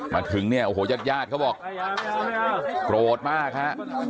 มาถึงเนี่ยโอ้โหยาดเขาบอกโกรธมากฮะ